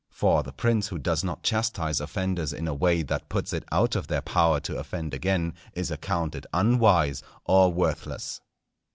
For the prince who does not chastise offenders in a way that puts it out of their power to offend again, is accounted unwise or worthless.